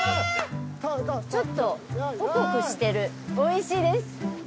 ちょっとホクホクしてるおいしいです！